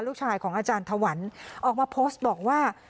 ลูกชายของอาจารย์ถวันออกมาโพสต์บอกว่า